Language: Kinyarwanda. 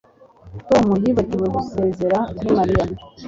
Tom yibagiwe gusezera kuri Mariya